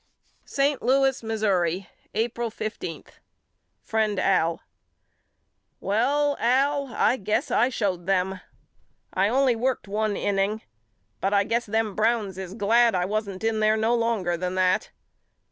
St. Louis, Missouri, April 15. FRIEND AL: Well Al I guess I showed them. I only worked one inning but I guess them Browns is glad I wasn't in there no longer than that.